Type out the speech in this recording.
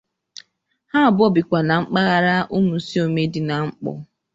Ha abụọ bikwà na mpaghara Umusiome dị na Nkpor